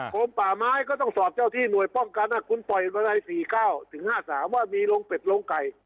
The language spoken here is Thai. ลมป่าไม้ก็ต้องสอบเจ้าที่หน่วยป้องกันคุณปล่อยบันได๔๙ถึง๕๓ว่ามีโรงเป็ดโรงไก่